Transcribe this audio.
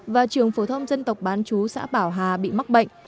và trường phổ thông dân tộc bán chú xã bảo hà bị mắc bệnh